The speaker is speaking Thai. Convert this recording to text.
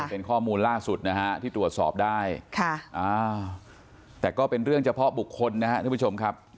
เป็นข้อมูลล่าสุดนะฮะที่ตรวจสอบได้แต่ก็เป็นเรื่องเฉพาะบุคคลนะครับทุกผู้ชมครับ